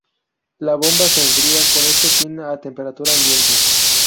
La bomba se enfría con este fin a temperatura ambiente.